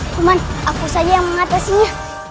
cuma aku saja yang mengatasinya